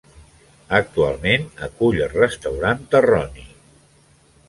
Actualment acull el restaurant Terroni.